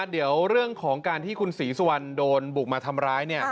เดี๋ยวเรื่องของการที่คุณศรีสุวรรณโดนบุกมาทำร้าย